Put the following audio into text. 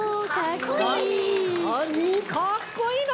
かっこいいね。